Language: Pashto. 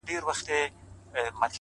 هره هڅه د بریا تخم شیندي